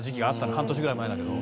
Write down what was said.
半年ぐらい前だけど。